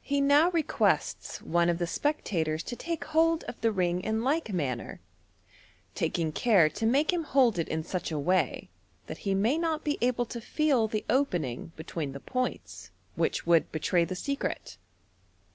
He now requests one of the spectators to take hold of the ring in like manner, taking care to make him hold it in such a way that he may not be aole to feel the opening between the points, which would betray the secret.